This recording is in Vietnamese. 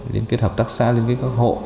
liên kết hợp tác xã liên kết các hộ